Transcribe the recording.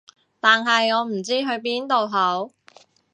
但係我又唔知去邊度好